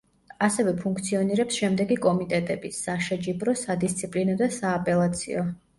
ასევე ფუნქციონირებს შემდეგი კომიტეტები: საშეჯიბრო, სადისციპლინო და სააპელაციო.